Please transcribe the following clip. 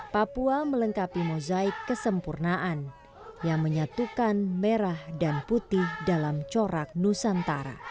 papua melengkapi mozaik kesempurnaan yang menyatukan merah dan putih dalam corak nusantara